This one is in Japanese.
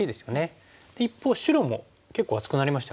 で一方白も結構厚くなりましたよね。